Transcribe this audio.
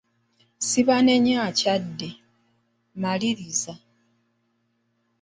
Ssebanenya akyadde, maliriza.